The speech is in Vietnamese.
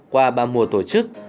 qua ba mùa tổ chức